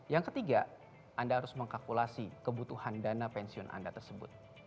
yang ketiga anda harus mengkalkulasi kebutuhan dana pensiun anda tersebut